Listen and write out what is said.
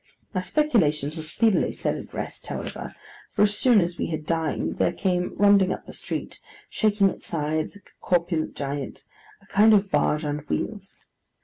My speculations were speedily set at rest, however, for as soon as we had dined, there came rumbling up the street, shaking its sides like a corpulent giant, a kind of barge on wheels.